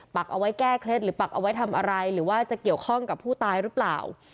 ปักเอาไว้แก้เคล็ดหรือปักเอาไว้ทำอะไรหรือว่าจะเกี่ยวข้องกับผู้ตายหรือเปล่า